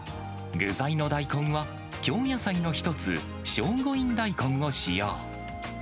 具材の大根は、京野菜の１つ、聖護院大根を使用。